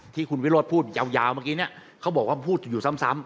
ที่คุณวิโรธพูดยาวเมื่อกี้เนี่ยเขาบอกว่าพูดอยู่ซ้ำ